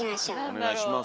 お願いします。